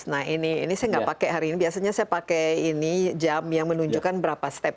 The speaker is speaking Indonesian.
nah ini ini saya nggak pakai hari ini biasanya saya pakai ini jam yang menunjukkan berapa step